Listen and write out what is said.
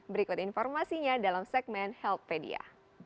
berikut informasinya dalam segmen healthpedia